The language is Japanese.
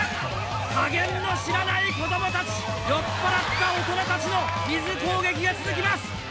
加減の知らない子どもたち酔っ払った大人たちの水攻撃が続きます！